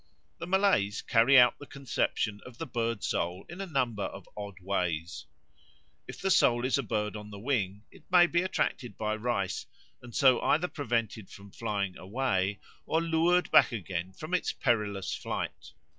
The Malays carry out the conception of the bird soul in a number of odd ways. If the soul is a bird on the wing, it may be attracted by rice, and so either prevented from flying away or lured back again from its perilous flight.